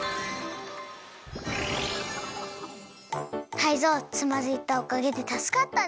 タイゾウつまずいたおかげでたすかったね！